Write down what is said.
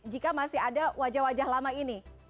jika masih ada wajah wajah lama ini